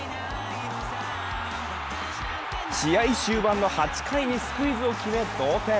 試合終盤の８回にスクイズを決め、同点。